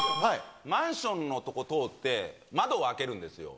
マンションの所通って、窓を開けるんですよ。